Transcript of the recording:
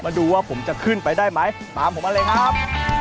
ดูว่าผมจะขึ้นไปได้ไหมตามผมมาเลยครับ